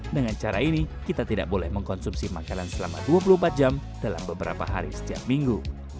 dengan cara ini kita tidak boleh mengkonsumsi makanan selama dua puluh empat jam dalam beberapa hari setiap minggu